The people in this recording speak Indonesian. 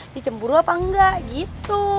dicemburuh apa enggak gitu